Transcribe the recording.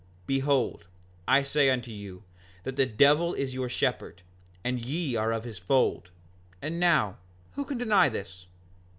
Behold, I say unto you, that the devil is your shepherd, and ye are of his fold; and now, who can deny this?